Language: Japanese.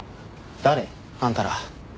誰？あんたら。